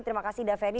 terima kasih daveri